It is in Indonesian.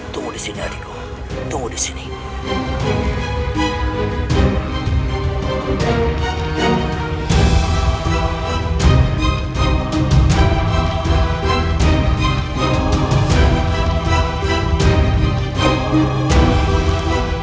tunggu disini adikku